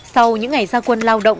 sau những ngày gia quân lao động